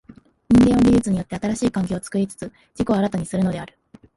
人間は技術によって新しい環境を作りつつ自己を新たにするのである。